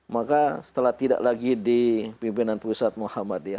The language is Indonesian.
maka setelah tidak lagi di pimpinan pusat muhammadiyah